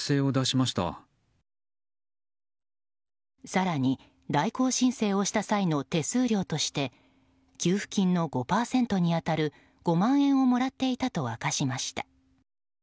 更に、代行申請をした際の手数料として給付金の５％に当たる５万円をもらっていたと明かしました。